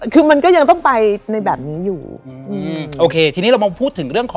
คือมันก็ยังต้องไปในแบบนี้อยู่